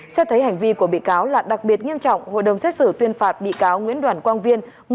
xét thấy hành vi của bị cáo là đặc biệt nghiêm trọng hội đồng xét xử tuyên phạt bị cáo nguyễn đoàn quang viên